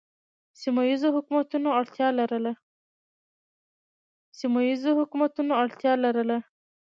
سیمه ییزو حکومتونو اړتیا لرله